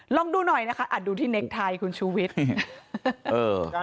ลองดูหน่อยนะคะดูที่เน็กไทยคุณชูวิทย์